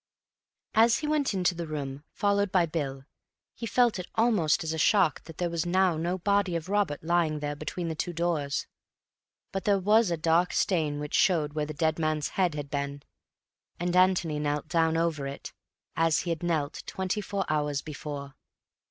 As he went into the room, followed by Bill, he felt it almost as a shock that there was now no body of Robert lying there between the two doors. But there was a dark stain which showed where the dead man's head had been, and Antony knelt down over it, as he had knelt twenty four hours before.